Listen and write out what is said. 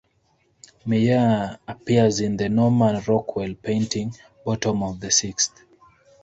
Meyer appears in the Norman Rockwell painting "Bottom of the Sixth".